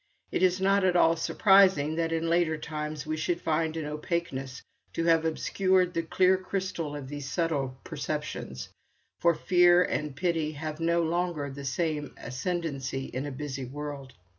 It is not at all surprising that in later times we should find an opaqueness to have obscured the clear crystal of these subtle perceptions, for fear and pity have no longer the same ascendancy in a busy world.